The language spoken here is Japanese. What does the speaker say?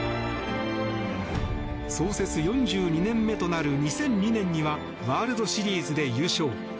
創設４２年目となる２００２年にはワールドシリーズで優勝。